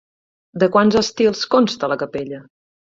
De quants estils consta la capella?